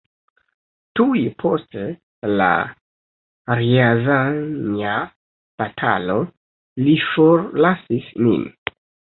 Tuj post la Rjazanja batalo li forlasis nin.